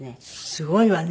すごいわね。